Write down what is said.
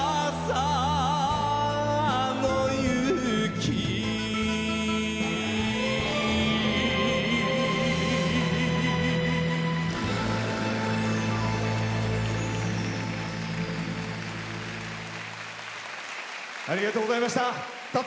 青天の雪ありがとうございました。